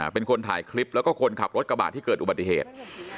เป็นคนถ่ายคลิปแล้วก็คนขับรถกระบาดที่เกิดอุบัติเหตุ